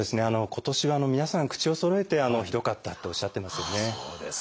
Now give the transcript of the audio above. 今年は皆さん口をそろえてひどかったっておっしゃってますよね。